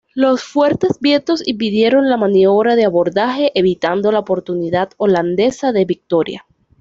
Los fuertes vientos impidieron la maniobra de abordaje, evitando la oportunidad holandesa de victoria.